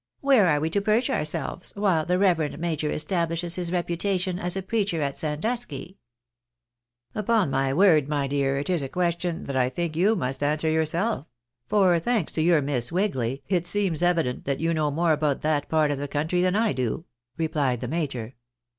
Where are we to perch ourselves while the reverend major establishes his reputation as a preacher at Sandusky ?"" Upon my word, my dear, it is a question that I think you must answer yourself; for, thanks to your Miss Wigly, it seems evident that you know more about that part of the country than I do," replied the major.